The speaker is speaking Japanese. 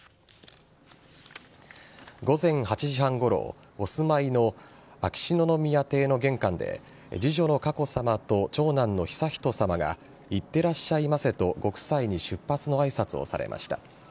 午前８時半ごろお住まいの秋篠宮邸の玄関で次女の佳子さまと長男の悠仁さまがいってらっしゃいませとご夫妻に出発の挨拶をされました。